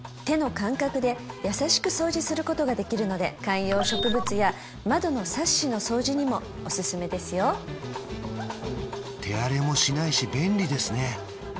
手の感覚で優しく掃除することができるので観葉植物や窓のサッシの掃除にもおすすめですよ手荒れもしないし便利ですね